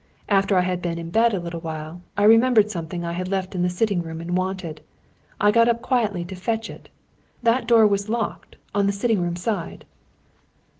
After I had been in bed a little while, I remembered something I had left in the sitting room and wanted. I got up quietly to fetch it. That door was locked, on the sitting room side!"